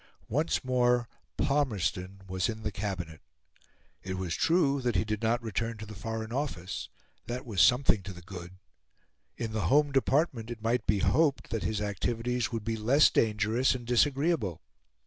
Once more, Palmerston was in the Cabinet. It was true that he did not return to the Foreign Office; that was something to the good; in the Home Department it might be hoped that his activities would be less dangerous and disagreeable.